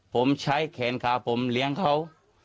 ผมใช้แขนขาผมเลี้ยงเขา